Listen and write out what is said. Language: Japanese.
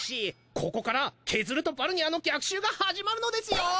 ここからケズルとバルニャーの逆襲が始まるのですよぉ！